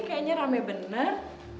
kayaknya rame bener